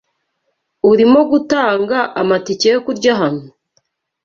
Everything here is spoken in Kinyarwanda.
Urimo gutanga amatike yo kurya hano?